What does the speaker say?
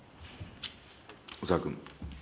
小沢君。